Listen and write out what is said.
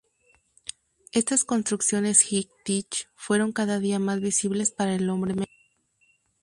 Estas construcciones High Tech fueron cada día más visibles para el hombre medio.